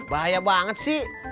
bahaya banget sih